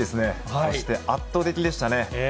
そして圧倒的でしたね。